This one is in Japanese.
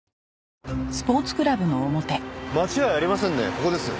ここです。